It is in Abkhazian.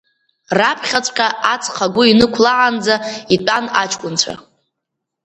Раԥхьаҵәҟьа аҵх агәы инықәлаанӡа итәан аҷкәынцәа.